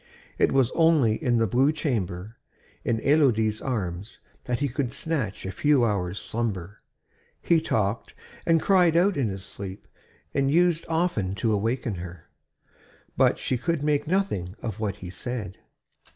It was only in the blue chamber, in Élodie's arms, that he could snatch a few hours' slumber. He talked and cried out in his sleep and used often to awake her; but she could make nothing of what he said.